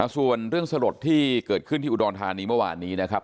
ส่วนเรื่องสลดที่เกิดขึ้นที่อุดรธานีเมื่อวานนี้นะครับ